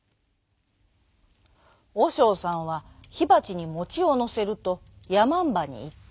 おしょうさんはひばちにもちをのせるとやまんばにいった。